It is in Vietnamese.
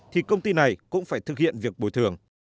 thì công ty này cũng phải thực hiện việc bồi thường